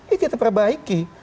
ya kita perbaiki